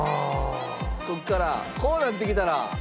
ここからこうなってきたら。